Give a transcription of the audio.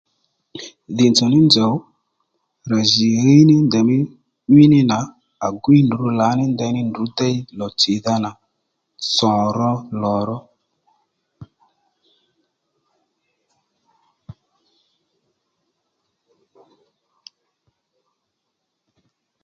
Dhì nzòw ní nzòw rà jì ì ɦíy ndèymí híy ní nà à gwíy ndrǔ lǎní ndèyní ndrǔ déy lò tsìdha nà sò ró lò ró